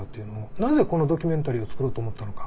なぜこのドキュメンタリーを作ろうと思ったのか。